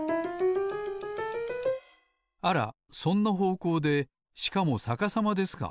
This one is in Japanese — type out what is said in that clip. あらそんなほうこうでしかもさかさまですか。